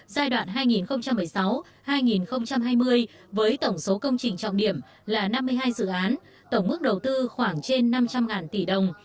giai đoạn hai nghìn một mươi sáu hai nghìn hai mươi với tổng số công trình trọng điểm là năm mươi hai dự án tổng mức đầu tư khoảng trên năm trăm linh tỷ đồng